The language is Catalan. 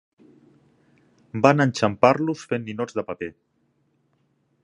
Van enxampar-los fent ninots de paper.